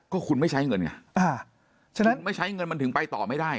ก็คุณไม่ใช้เงินไงอ่าฉะนั้นไม่ใช้เงินมันถึงไปต่อไม่ได้